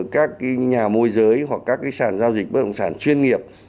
các nhà môi giới hoặc các sản giao dịch bất động sản chuyên nghiệp